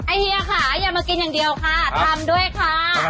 เฮียค่ะอย่ามากินอย่างเดียวค่ะทำด้วยค่ะ